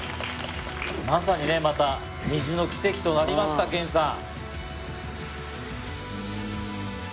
まさにねまたＮｉｚｉの奇跡となりましたケンさん。